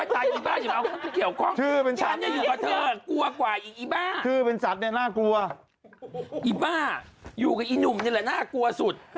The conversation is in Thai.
เฮ่ยเกี่ยวกับชีวิตคุณเป็นชัด